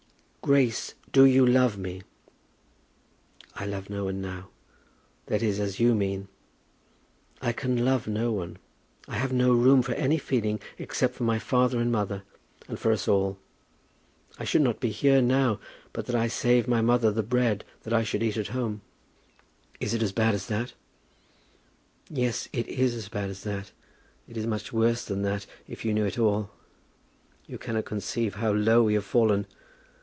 "Grace, do you love me?" "I love no one now, that is, as you mean. I can love no one. I have no room for any feeling except for my father and mother, and for us all. I should not be here now but that I save my mother the bread that I should eat at home." "Is it as bad as that?" "Yes, it is as bad as that. It is much worse than that, if you knew it all. You cannot conceive how low we have fallen.